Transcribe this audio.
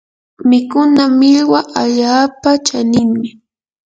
wikuña millwa allaapa chaninmi.